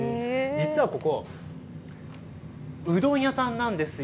実はここ、うどん屋さんなんですよ。